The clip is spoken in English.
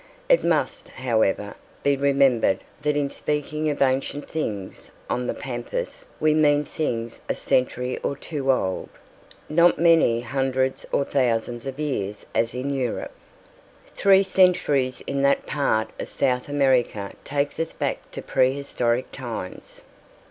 It must, however, be remembered that in speaking of ancient things on the pampas we mean things a century or two old, not many hundreds or thousands of years as in Europe. Three centuries in that part of South America takes us back to prehistoric times.